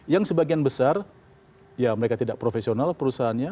yang sebagian besar ya mereka tidak profesional perusahaannya